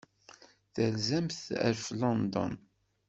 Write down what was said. Terzamt ɣef London.